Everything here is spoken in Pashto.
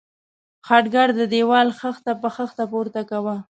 خټګر د دېوال خښته په خښته پورته کاوه.